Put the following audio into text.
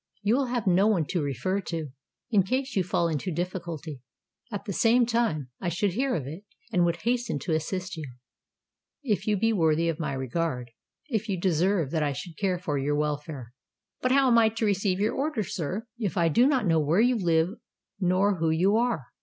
You will have no one to refer to, in case you fall into difficulty: at the same time, I should hear of it, and would hasten to assist you, if you be worthy of my regard—if you deserve that I should care for your welfare." "But how am I to receive your orders, sir, if I do not know where you live nor who you are?"